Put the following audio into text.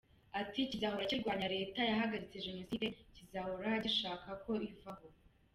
Ati “Kizahora kirwanya Leta yahagaritse Jenoside, kizahora gishaka ko ivaho.